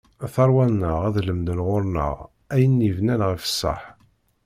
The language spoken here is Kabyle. Tarwa-nneɣ ad lemden ɣur-neɣ, ayen yebnan ɣef ṣṣaḥ.